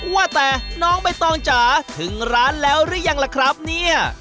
ว่าแต่น้องใบตองจ๋าถึงร้านแล้วหรือยังล่ะครับเนี่ย